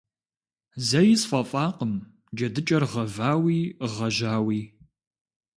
Зэи сфӏэфӏакъым джэдыкӏэр гъэвауи гъэжьауи.